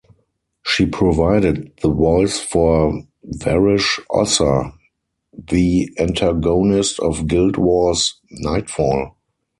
She provided the voice for Varesh Ossa, the antagonist of Guild Wars' "Nightfall".